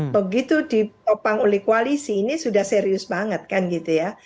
begitu ditopang oleh koalisi ini sudah serius banget kan gitu ya